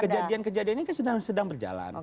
kejadian kejadian ini kan sedang berjalan